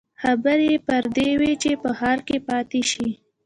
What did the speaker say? خبرې يې پر دې وې چې په ښار کې پاتې شي.